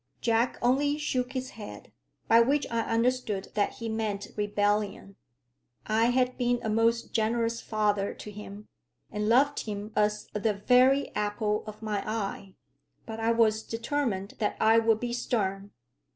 Jack only shook his head, by which I understood that he meant rebellion. I had been a most generous father to him, and loved him as the very apple of my eye; but I was determined that I would be stern.